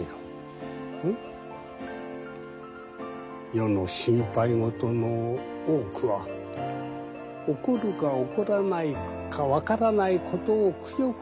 世の心配事の多くは起こるか起こらないか分からないことをくよくよ心配することだ。